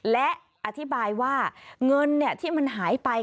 และอธิบายว่าเงินที่มันหายไป